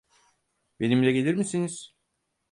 Benimle gelir misiniz?